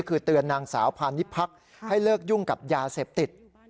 คือเตือนนางสาวพานิพักษ์ให้เลิกยุ่งกับยาเสพติด